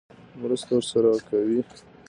مرسته ورسره کوي.